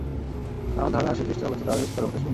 আমার ধারণা সেই চেষ্টা যে চালাচ্ছো, তা জলের মতো স্পষ্ট।